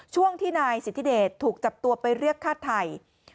ช่วงที่นายสิทธิเดชถูกจับตัวไปเรียกฆ่าไทย